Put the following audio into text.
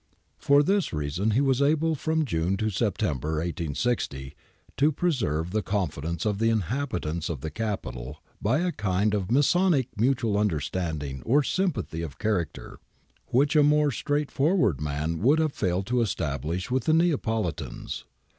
For this reason he was able from June to September, i860, to preserve the confidence of the inhabitants of the capital by a kind of masonic mutual understanding or sympathy of character, which a more straightforward man would have failed to establish with the Neapolitans.